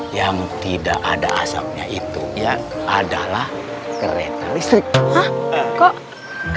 yang tidak ada asapnya itu adalah kereta listrik